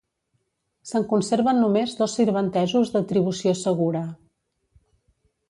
Se'n conserven només dos sirventesos d'atribució segura.